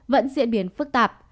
vẫn diễn biến phức tạp